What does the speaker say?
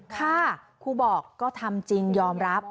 ครูบอกก็ทำจริงยอมรับ